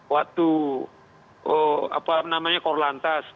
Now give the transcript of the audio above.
waktu apa namanya korlantas